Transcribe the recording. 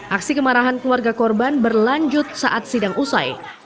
aksi kemarahan keluarga korban berlanjut saat sidang usai